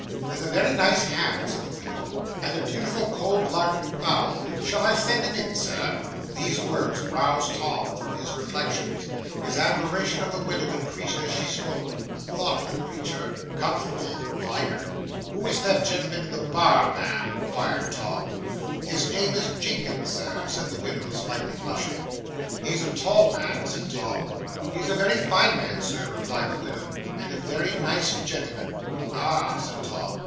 '"There's a very nice ham," said the widow, "and a beautiful cold larded fowl. Shall I send 'em in, Sir?" 'These words roused Tom from his reflections. His admiration of the widow increased as she spoke. Thoughtful creature! Comfortable provider! '"Who is that gentleman in the bar, ma'am?" inquired Tom. '"His name is Jinkins, Sir," said the widow, slightly blushing. '"He's a tall man," said Tom. '"He is a very fine man, Sir," replied the widow, "and a very nice gentleman." '"Ah!" said Tom.